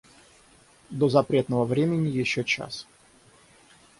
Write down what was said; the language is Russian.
До запретного времени еще час.